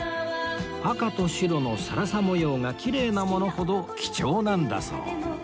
赤と白のさらさ模様がきれいなものほど貴重なんだそう